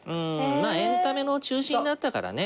まあエンタメの中心だったからね。